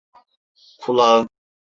Kulağım!